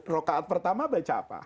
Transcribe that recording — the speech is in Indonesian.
rokaat pertama baca apa